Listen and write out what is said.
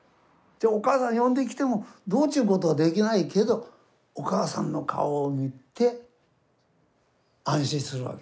お母さん呼んできてもどうということはできないけどお母さんの顔を見て安心するわけですよ。